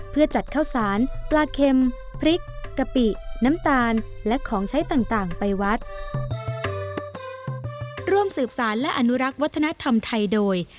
เพื่อจัดข้าวซานปลาเข็มพริกกะปิน้ำตาลและของใช้ต่างไปวัด